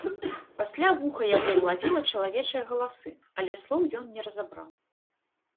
Пасля вуха яго ўлавіла чалавечыя галасы, але слоў ён не разабраў.